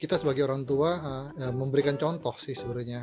kita sebagai orang tua memberikan contoh sih sebenarnya